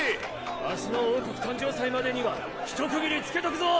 明日の王国誕生祭までにはひと区切りつけとくぞ！